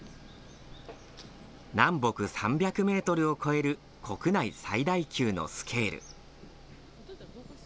南北３００メートルを超える国内最大級のスケール。